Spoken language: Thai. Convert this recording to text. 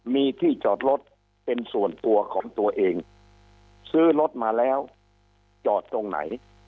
มีที่จอดรถเป็นส่วนตัวของตัวเองซื้อรถมาแล้วจอดตรงไหน